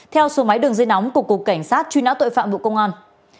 theo số máy đường dây nóng của cục cảnh sát truy nã tội phạm bộ công an